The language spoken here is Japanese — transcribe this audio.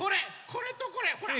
これとこれほら！